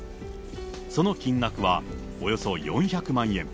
その金額はおよそ４００万円。